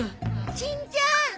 しんちゃーん！